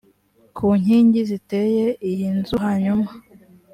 ku nkingi ziteze iyi nzu hanyuma